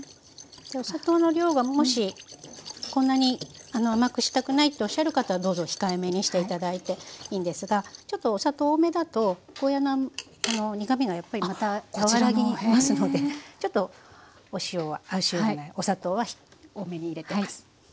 お砂糖の量がもしこんなに甘くしたくないとおっしゃる方はどうぞ控えめにしていただいていいんですがちょっとお砂糖多めだとゴーヤーの苦みがやっぱりまた和らぎますのでちょっとお塩はお塩じゃないお砂糖は多めに入れてます。